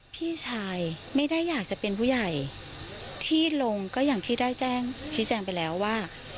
พี่ชายไม่ได้อยากจะเป็นผู้ใหญ่ที่ลงก็อย่างที่ได้แจ้งชี้แจงไปแล้วว่า